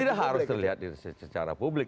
tidak harus terlihat secara publik